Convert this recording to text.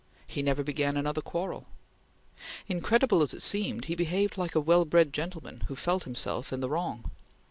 He never began another quarrel. Incredible as it seemed, he behaved like a well bred gentleman who felt himself in the wrong.